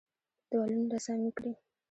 پر دېوالونو یې رسامۍ کړي.